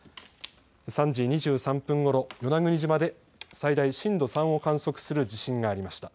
３時２３分ごろ、与那国島で最大震度３を観測する地震がありました。